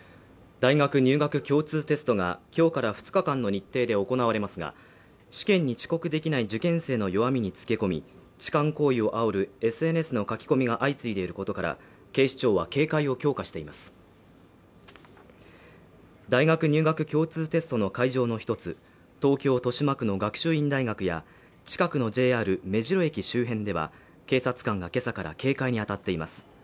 大学入学共通テストがきょうから２日間の日程で行われますが試験に遅刻できない受験生の弱みにつけ込み痴漢行為をあおるＳＮＳの書き込みが相次いでいることから警視庁は警戒を強化しています大学入学共通テストの会場のひとつ東京豊島区の学習院大学や近くのＪＲ目白駅周辺では警察官が今朝から警戒に当たっています